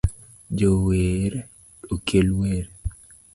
Jower okel wer